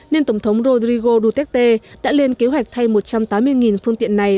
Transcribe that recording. nên tổng thống rodrigo duterte đã lên kế hoạch thay một trăm tám mươi phương tiện này